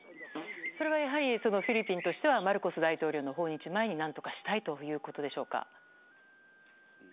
それはフィリピンとしてはマルコス大統領の訪日前に何とかしたいということでしょうか。